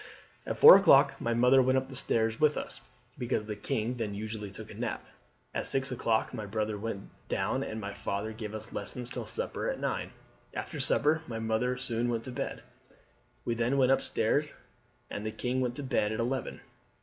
"At four o'clock my mother went up stairs with us, because the king then usually took a nap. At six o'clock my brother went down, and my father gave us lessons till supper at nine. After supper my mother soon went to bed. We then went up stairs, and the king went to bed at eleven.